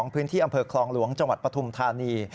พื้นที่อำเภอคลองหลวงจังหวัดปฐุมธานี